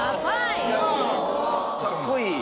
かっこいい。